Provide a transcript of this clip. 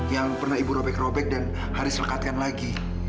yang pernah ibu robek robek dan harus lekatkan lagi